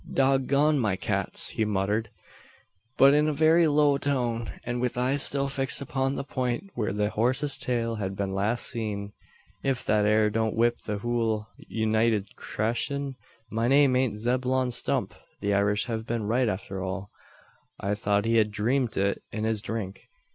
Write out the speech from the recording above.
"Dog gone my cats!" he muttered, but in a very low tone, and with eyes still fixed upon the point where the horse's tail had been last seen. "If that ere don't whip the hul united creashun, my name ain't Zeb'lon Stump! The Irish hev been right arter all. I tho't he hed dreemt o' it in his drink.